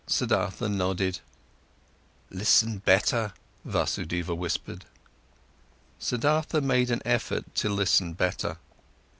Siddhartha nodded. "Listen better!" Vasudeva whispered. Siddhartha made an effort to listen better.